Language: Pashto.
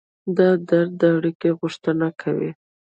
دا درد د اړیکې غوښتنه کوي.